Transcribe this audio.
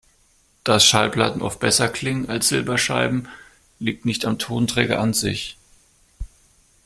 Dass Schallplatten oft besser klingen als Silberscheiben, liegt nicht am Tonträger an sich.